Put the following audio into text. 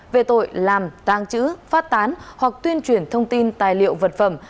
về tội làm tăng chữ phát tán hoặc tuyên truyền thông tin tài liệu vật phẩm